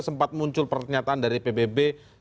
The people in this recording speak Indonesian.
sempat muncul pernyataan dari pbb